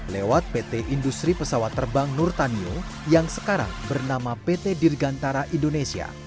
lewat pt industri pesawat terbang nurtanio yang sekarang bernama pt dirgantara indonesia